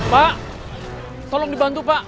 pak tolong dibantu pak